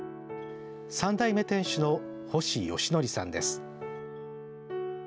３代目店主の星良則さんです。